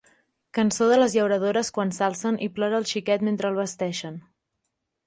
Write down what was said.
Cançó de les llauradores quan s’alcen i plora el xiquet mentre el vesteixen.